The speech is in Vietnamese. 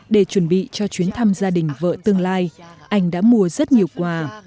để chuẩn bị cho chuyến thăm gia đình vợ tương lai anh đã mua rất nhiều quà